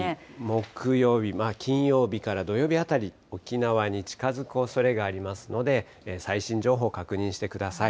木曜日、金曜日から土曜日あたり、沖縄に近づくおそれがありますので、最新情報、確認してください。